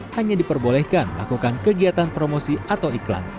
hanya diperbolehkan melakukan kegiatan promosi atau iklan